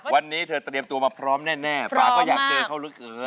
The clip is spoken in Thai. วันนี้เธอเตรียมตัวมาพร้อมแน่ป่าก็อยากเจอเขาเหลือเกิน